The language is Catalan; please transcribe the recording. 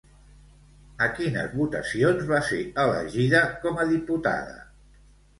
A quines votacions va ser elegida com a diputada?